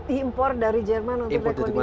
import dari jerman untuk